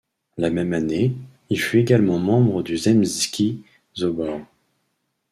La même année, il fut également membre du Zemski sobor.